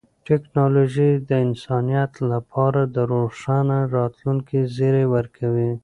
ټیکنالوژي د انسانیت لپاره د روښانه راتلونکي زیری ورکوي.